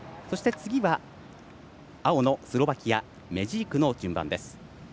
次は青のスロバキアメジークの順番。